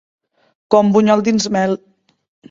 Com bunyol dins mel.